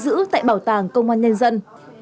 giữ tại bảo tàng công an nhân dân